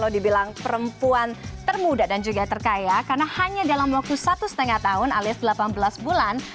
dibilang perempuan termuda dan juga terkaya karena hanya dalam waktu satu lima tahun alias delapan belas bulan